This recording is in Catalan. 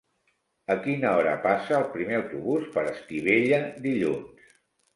A quina hora passa el primer autobús per Estivella dilluns?